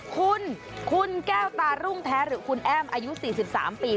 คุณคุณแก้วตารุ่งแท้หรือคุณแอ้มอายุ๔๓ปี